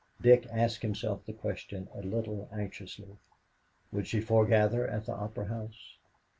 Dick asked himself the question a little anxiously. Would she foregather at the Opera House?